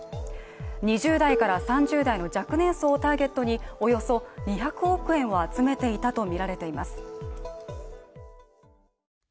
２０代から３０代の若年層をターゲットに、およそ２００億円を集めていたとみられています。